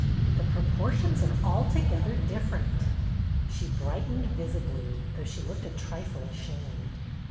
The proportions are alto gether different." She brightened visibly, though she looked a trifle ashamed.